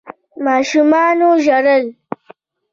ماشومانو ژړل.